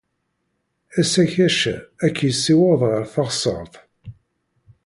Asakac-a ad k-yessiweḍ ɣer teɣsert.